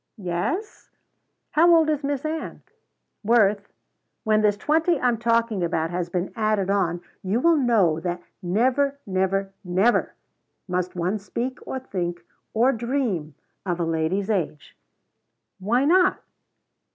"Yes?" "How old is Miss Ann?" "Worth, when this twenty I'm talking about has been added on, you will know that never, never, never must one speak or think or dream of a lady's age." "Why not?"